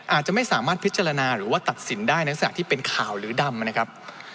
อาจจะไม่สามารถพิจารณาหรือว่าตัดสินได้ในลักษณะที่เป็นข่าวหรือดำนะครับ